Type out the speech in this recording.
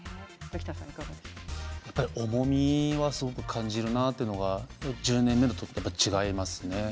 やっぱり重みはすごく感じるなというのがね１０年目の時と違いますね。